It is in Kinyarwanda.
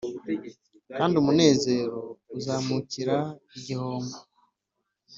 kandi umunezero uzamurika igihombo,